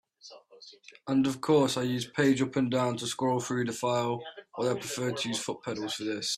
And of course I use page up and down to scroll through the file, although I prefer to use foot pedals for this.